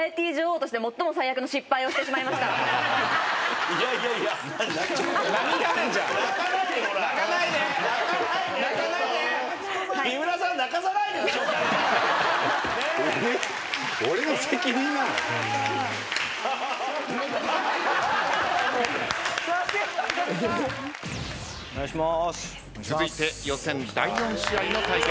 続いて予選第４試合の対決です。